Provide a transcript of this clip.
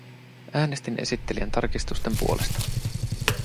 Äänestin esittelijän tarkistusten puolesta.